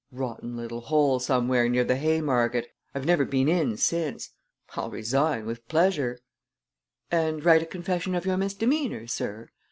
Rotten little hole somewhere near the Haymarket! I've never been in since. I'll resign, with pleasure!" "And write a confession of your misdemeanor, sir?"